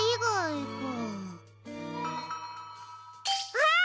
あっ！